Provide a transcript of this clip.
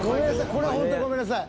これはほんとごめんなさい。